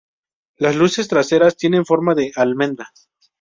Las luces traseras tienen forma de almendra.